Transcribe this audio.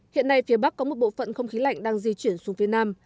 hiện nay phía bắc có một bộ phận không khí lạnh đang di chuyển xuống phía nam